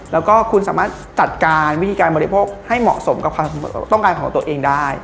แล้วก็คุณสามารถจัดการวิธีการบริโภคให้เหมาะสมกับความต้องการของตัวเองได้